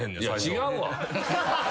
違うわ。